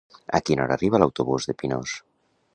A quina hora arriba l'autobús de Pinós?